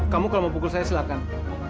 kamu kalau mau pukul saya silahkan